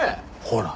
ほら